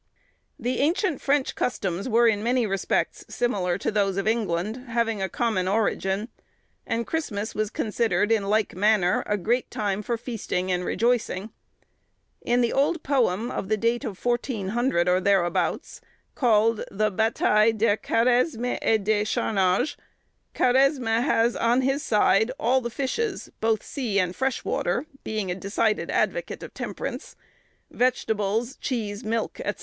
The ancient French customs were in many respects similar to those of England, having a common origin; and Christmas was considered, in like manner, a great time for feasting and rejoicing. In the old poem, of the date of 1400, or thereabouts, called the "Bataille de Karesme et de charnage," Karesme has on his side all the fishes, both sea and fresh water—being a decided advocate of temperance—vegetables, cheese, milk, &c.